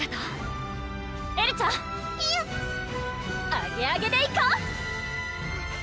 アゲアゲでいこっ！